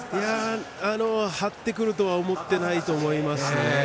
張ってくるとは思っていないと思いますね。